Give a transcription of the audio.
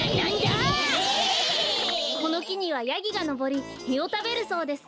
このきにはヤギがのぼりみをたべるそうです。